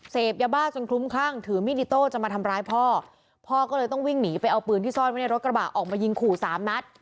เสพยาบ้าจนคลุ้มคลั่งถือมีดอิโต้จะมาทำร้ายพ่อพ่อก็เลยต้องวิ่งหนีไปเอาปืนที่ซ่อนไว้ในรถกระบะออกมายิงขู่สามนัด